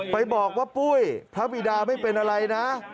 ไปบอกว่าปุ้ยพระบิดาไม่เป็นอะไรนะ